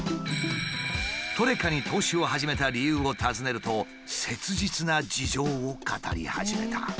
トレカに投資を始めた理由を尋ねると切実な事情を語り始めた。